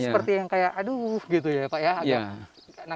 seperti yang kayak aduh gitu ya pak ya